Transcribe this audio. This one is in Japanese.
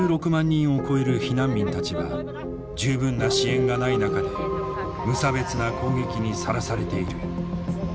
人を超える避難民たちが十分な支援がない中で無差別な攻撃にさらされている。